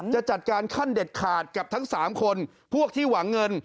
จะจัดการขั้นเด็ดขาดกับทั้ง๓คนพวกที่หวังเงิน